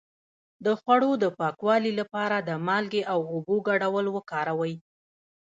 د خوړو د پاکوالي لپاره د مالګې او اوبو ګډول وکاروئ